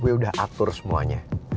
gue udah atur semuanya